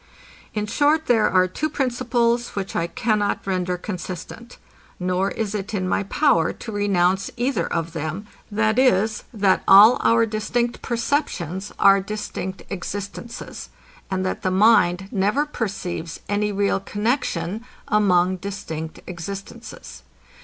In short there are two principles, which I cannot render consistent; nor is it in my power to renounce either of them, viz, that all our distinct perceptions are distinct existences, and that the mind never perceives any real connexion among distinct existences.